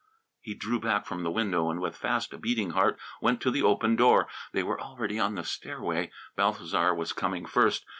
He drew back from the window and with fast beating heart went to open the door. They were already on the stairway. Balthasar was coming first.